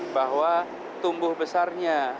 bahwa tumbuh besarnya